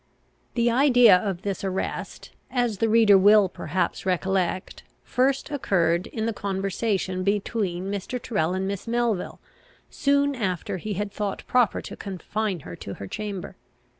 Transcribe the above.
The idea of this arrest, as the reader will perhaps recollect, first occurred, in the conversation between Mr. Tyrrel and Miss Melville, soon after he had thought proper to confine her to her chamber.